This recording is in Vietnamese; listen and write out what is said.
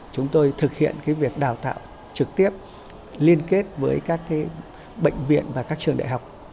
chúng tôi thực hiện việc đào tạo trực tiếp liên kết với các bệnh viện và các trường đại học